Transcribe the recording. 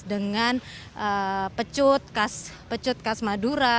alias dengan pecut khas madura